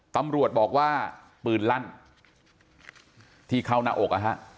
ตำรวจบอกว่าปืนลั่นที่เข้าหน้าอกนะฮะ